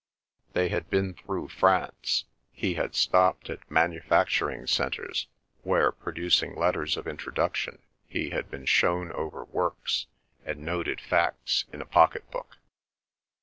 They had been through France; he had stopped at manufacturing centres where, producing letters of introduction, he had been shown over works, and noted facts in a pocket book.